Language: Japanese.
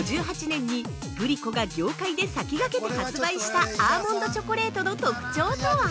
◆１９５８年に、グリコが業界で先駆けて発売したアーモンドチョコレートの特徴とは？